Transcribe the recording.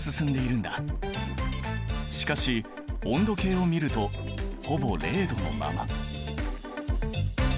しかし温度計を見るとほぼ０℃のまま。